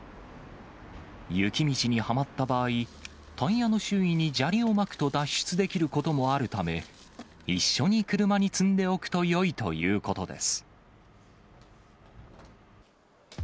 雪道にはまった場合、タイヤの周囲に砂利をまくと、脱出できることもあるため、一緒に車に積んでおくとよいということです。